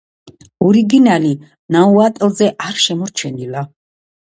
ორიგინალი ნაუატლზე არ შემორჩენილა.